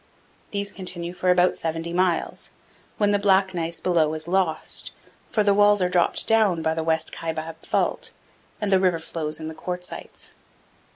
These continue for about 70 miles, when the black gneiss below is lost, for the walls are dropped down by the West Kaibab Fault, and the river flows in the quartzites.